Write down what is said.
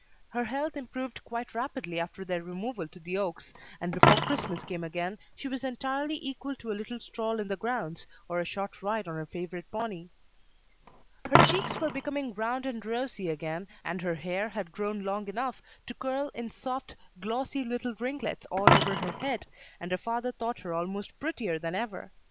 Her health improved quite rapidly after their removal to the Oaks, and before Christmas came again she was entirely equal to a little stroll in the grounds, or a short ride on her favorite pony. Her cheeks were becoming round and rosy again, and her hair had grown long enough to curl in soft, glossy little ringlets all over her head, and her father thought her almost prettier than ever.